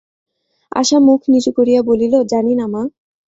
আশা মুখ নিচু করিয়া বলিল, জানি না, মা।